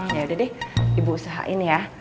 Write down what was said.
ya udah deh ibu usahain ya